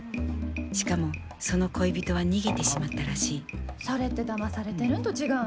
しかもその恋人は逃げてしまったらしいそれってだまされてるんと違うん？